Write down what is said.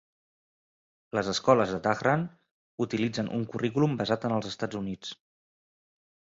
Les escoles de Dhahran utilitzen un currículum basat en els Estats Units.